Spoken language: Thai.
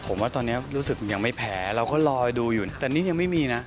ผมว่าตอนนี้รู้สึกยังไม่แพ้เราก็รอดูอยู่แต่นี่ยังไม่มีนะ